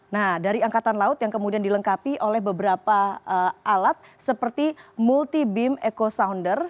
nah dari angkatan laut yang kemudian dilengkapi oleh beberapa alat seperti multi beam echo sounder